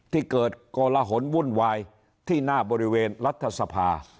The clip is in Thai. ที่เกิดโกลหนวุ่นวายที่หน้าบริเวณรัฐสภา